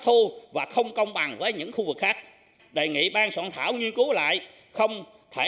thu và không công bằng với những khu vực khác đề nghị bang soạn thảo nghiên cứu lại không thể